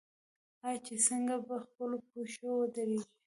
آیا چې څنګه په خپلو پښو ودریږو؟